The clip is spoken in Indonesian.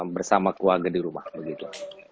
bersama keluarga di rumah begitu